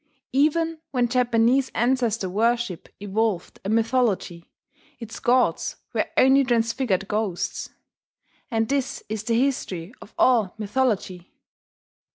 Even when Japanese ancestor worship evolved a mythology, its gods were only transfigured ghosts, and this is the history of all mythology.